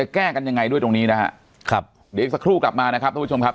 แก้กันยังไงด้วยตรงนี้นะฮะครับเดี๋ยวอีกสักครู่กลับมานะครับทุกผู้ชมครับ